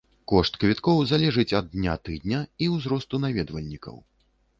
Кошт квіткоў залежыць ад дня тыдня і ўзросту наведвальнікаў.